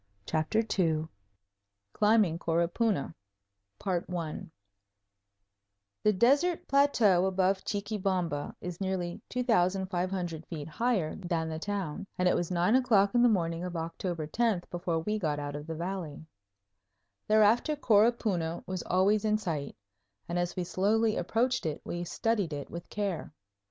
CHAPTER II Climbing Coropuna The desert plateau above Chuquibamba is nearly 2500 feet higher than the town, and it was nine o'clock on the morning of October 10th before we got out of the valley. Thereafter Coropuna was always in sight, and as we slowly approached it we studied it with care.